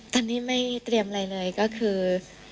ตอนนี้ไม่เตรียมอะไรเลยก็คือ